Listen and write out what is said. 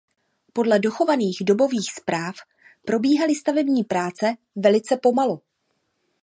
Podle dochovaných dobových zpráv probíhaly stavební práce velice pomalu.